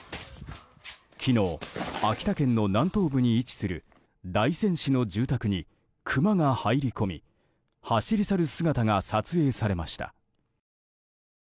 昨日、秋田県の南東部に位置する大仙市の住宅にクマが入り込み走り去る姿が撮影されました。